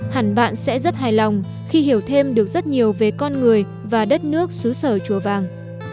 hẳn bạn sẽ rất hài lòng khi hiểu thêm được rất nhiều về con người và đất nước xứ sở chùa vàng